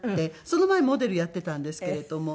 その前モデルやっていたんですけれども。